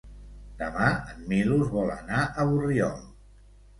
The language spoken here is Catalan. Demà en Milos vol anar a Borriol.